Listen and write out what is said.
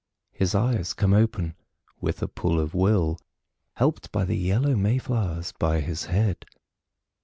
His eyes come open with a pull of will, Helped by the yellow may flowers by his head.